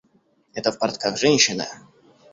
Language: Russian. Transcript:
Эта в портках женщина?